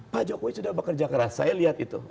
pak jokowi sudah bekerja keras saya lihat itu